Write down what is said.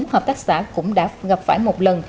hợp tác xã cũng đã gặp phải một lần